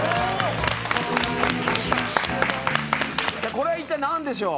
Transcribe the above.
これは一体なんでしょう？